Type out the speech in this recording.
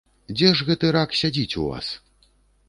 Дзе ж гэты рак сядзіць у вас?